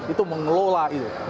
itu mengelola itu